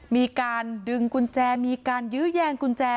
มีการดึงกุญแจมีการยื้อแยงกุญแจ